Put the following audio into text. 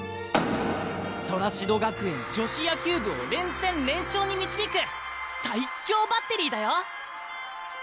ソラシド学園女子野球部を連戦連勝にみちびく最強バッテリーだよ！